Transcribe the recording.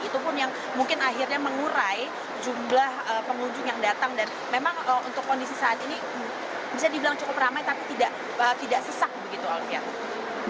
itu pun yang mungkin akhirnya mengurai jumlah pengunjung yang datang dan memang untuk kondisi saat ini bisa dibilang cukup ramai tapi tidak sesak begitu alfian